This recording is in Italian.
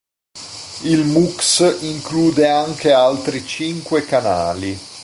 Il mux include anche altri cinque canali.